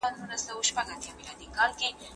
دغه پرېکړه باید په پښتو کي ابلاغ سي.